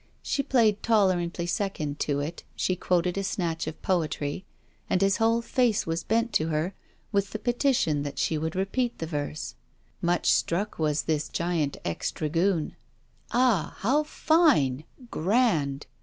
She played tolerantly second to it; she quoted a snatch of poetry, and his whole face was bent to her, with the petition that she would repeat the verse. Much struck was this giant ex dragoon. Ah! how fine! grand!